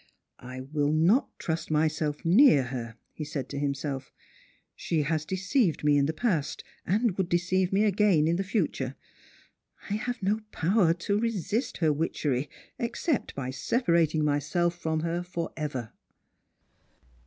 " I will not trust myself near her," he said to himself. _" She has deceived me in the past, and would deceive me again in the future. I have no power to resist her witchery, except by sepa rating myself from her for ever."